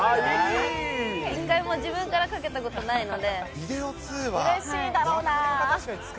一回も自分からかけたことないので。